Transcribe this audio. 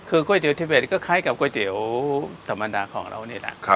คือก๋วยเตี๋เทเวทก็คล้ายกับก๋วยเตี๋ยวธรรมดาของเรานี่แหละ